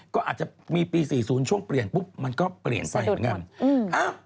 ก็อาจจะมีปี๔๐ช่วงเปลี่ยนปุ๊บมันก็เปลี่ยนไปเหมือนกัน